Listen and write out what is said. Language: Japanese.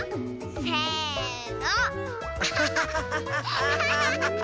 せの。